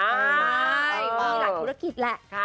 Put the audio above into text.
ใช่มีหลายธุรกิจแหละ